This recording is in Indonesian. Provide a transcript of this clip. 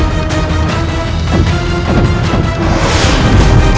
jangan meng gothic